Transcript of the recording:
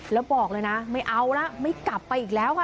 แล้วบอกเลยนะไม่เอาละไม่กลับไปอีกแล้วค่ะ